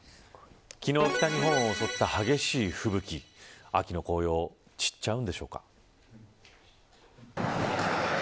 昨日、北日本を襲った激しい吹雪、秋の紅葉散っちゃうんでしょうか。